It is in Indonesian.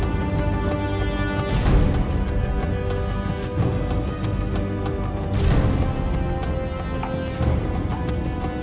jangan ada dia